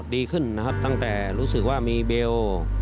ดีขึ้นตั้งแต่รู้สึกว่ามีเบล